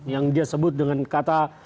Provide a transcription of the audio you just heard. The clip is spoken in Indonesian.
yang dia sebut dengan kata